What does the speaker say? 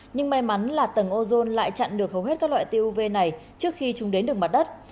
nhưng may mắn là tầng ozone lại chặn được hầu hết các loại tiêu uv này trước khi chúng đến được mặt đất